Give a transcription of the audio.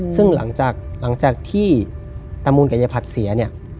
ซึ่งหลังจากที่ตามูลกับยายผัดเสียเนี่ย